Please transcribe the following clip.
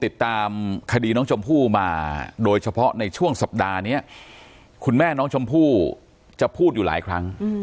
ติดตามคดีน้องชมพู่มาโดยเฉพาะในช่วงสัปดาห์นี้คุณแม่น้องชมพู่จะพูดอยู่หลายครั้ง